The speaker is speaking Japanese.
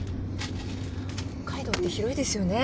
北海道って広いですよね。